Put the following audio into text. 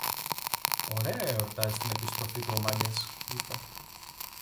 Ωραία εορτάζει την επιστροφή του ο Μάγκας, είπε